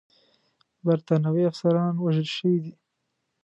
برټانوي افسران وژل شوي دي.